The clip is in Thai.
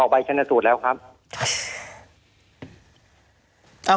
ใบชนสูตรแล้วครับ